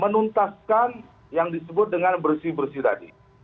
menuntaskan yang disebut dengan bersih bersih tadi